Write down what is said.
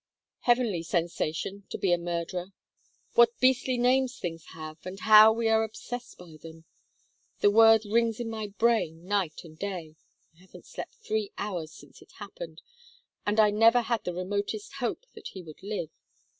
"Heavenly sensation to be a murderer. What beastly names things have and how we are obsessed by them! The word rings in my brain night and day I haven't slept three hours since it happened, and I never had the remotest hope that he would live.